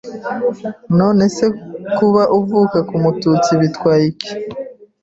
none se kuba avuka ku mututsi bitway’iki